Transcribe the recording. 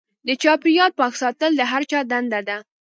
د چاپیریال پاک ساتل د هر چا دنده ده.